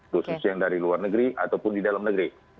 khususnya yang dari luar negeri ataupun di dalam negeri